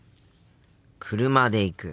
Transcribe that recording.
車で行く。